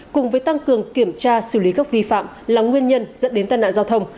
cùng với tăng cường kiểm tra xử lý các vi phạm là nguyên nhân dẫn đến tai nạn giao thông